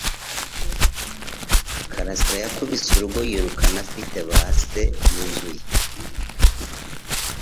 Karasira yakubise urugo yiruka afite base yuzuye